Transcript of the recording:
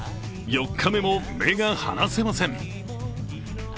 ４日目も目が離せません。